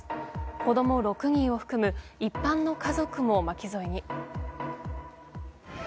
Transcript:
子供６人を含む一般の家族も巻き添えに。